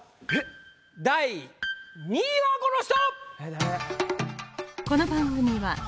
第２位はこの人！